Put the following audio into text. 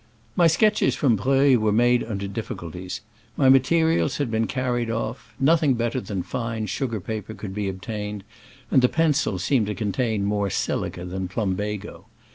My sketches from Breuil were made under difficulties : my materials had been carried off, nothing better than fine sugar paper could be obtained, and the pencils seemed to contain more silica than plumbago.